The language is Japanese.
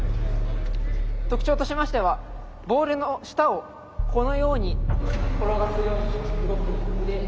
特徴としましてはボールの下をこのように転がすように動く。